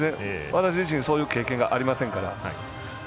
私自身そういう経験がありませんから。